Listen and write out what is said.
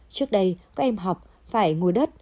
trước đây các em học phải ngồi đất